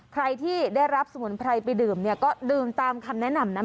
ใครที่ได้รับสมุนไพรไปดื่มเนี่ยก็ดื่มตามคำแนะนำนะ